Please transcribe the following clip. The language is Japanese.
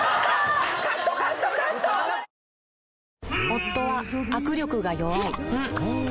夫は握力が弱い